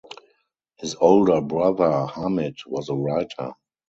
His older brother Hamid was a writer.